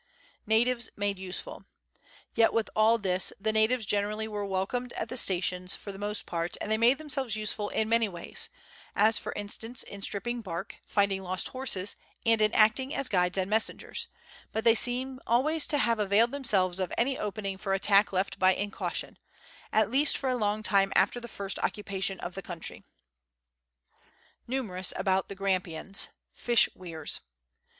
Natives made ^lseful. Yet, with all this, the natives generally were welcomed at the stations for the most part, and they made themselves useful in many ways, as for instance in stripping bark, finding lost horses, and in acting as guides and messengers ; but they seem always to have availed themselves of any opening for attack left by incaution at least for a long time after the first occupation of the country. Numerous about the Gramjjians. Fish Weirs.